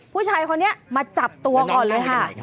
ผู้ชายคนนี้มาจับตัวก่อนเลยค่ะ